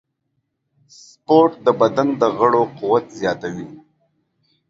سپورت د بدن د غړو قوت زیاتوي.